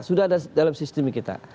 sudah ada dalam sistem kita